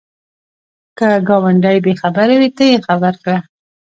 که ګاونډی بې خبره وي، ته یې خبر کړه